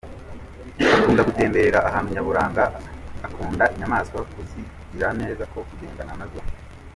Akunda gutemberera ahantu nyaburanga, akunda inyamaswa kuzigirira neza no kugendana nazo.